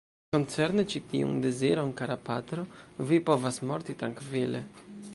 Koncerne ĉi tiun deziron, kara patro, vi povas morti trankvile.